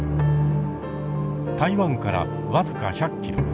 台湾から僅か１００キロ